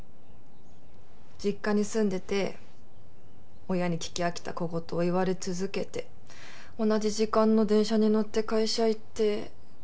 実家に住んでて親に聞き飽きた小言を言われ続けて同じ時間の電車に乗って会社行って。